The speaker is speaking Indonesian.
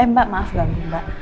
eh mbak maaf banget mbak